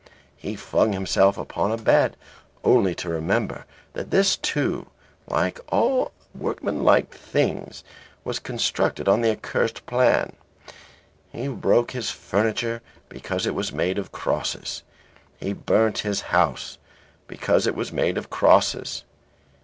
He flung himself upon a bed only to remember that this, too, like all workmanlike things, was constructed on the accursed plan. He broke his furniture because it was made of crosses. He burnt his house because it was made of crosses.